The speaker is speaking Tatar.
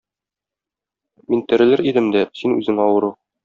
Мин терелер идем дә, син үзең авыру.